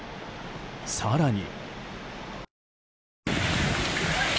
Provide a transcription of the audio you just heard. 更に。